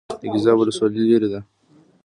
د ګیزاب ولسوالۍ لیرې ده